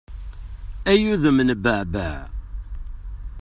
Ay udem n baɛbaɛ!